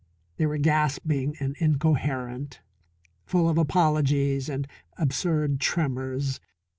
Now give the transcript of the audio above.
They were gasping and incoherent, full of apologies and absurd tremors.